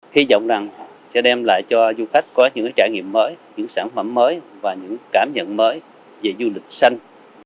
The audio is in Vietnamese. hy vọng rằng sẽ đem lại cho du khách có những trải nghiệm mới những sản phẩm mới và những cảm nhận mới về du lịch xanh